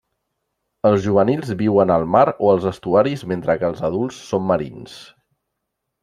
Els juvenils viuen al mar o els estuaris mentre que els adults són marins.